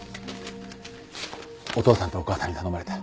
お父さんとお母さんに頼まれた。